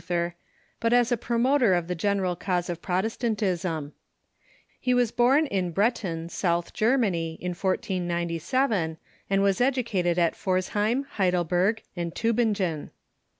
i i c ther, but as a promoter ot tlie general cause ot Protestantism. He was born in Bretten, South Germany, in 149V,* and was educated at Pforzheim, Heidelberg, and Tiibin gen.